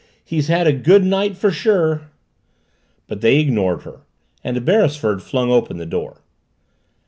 He's had a good night for sure!" But they ignored her. And Beresford flung open the door.